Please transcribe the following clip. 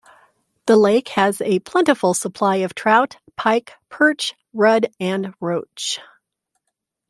The lake has a plentiful supply of trout, pike, perch, rudd and roach.